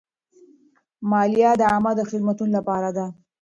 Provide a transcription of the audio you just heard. مالیه د عامه خدمتونو لپاره ده.